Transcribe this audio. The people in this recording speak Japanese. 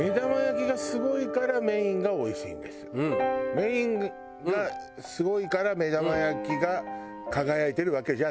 メインがすごいから目玉焼きが輝いてるわけじゃないんです。